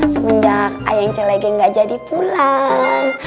semenjak ayang celege gak jadi pulang